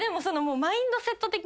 マインドセット的に。